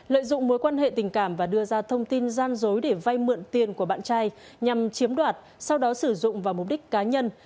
lợi dụng mối quan hệ tình cảm và đưa ra thông tin gian dối để vay mượn tiền của bạn trai nhằm chiếm đoạt sau đó sử dụng vào mục đích cá nhân